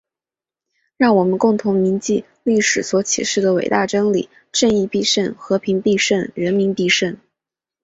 让我们共同铭记历史所启示的伟大真理：正义必胜！和平必胜！人民必胜！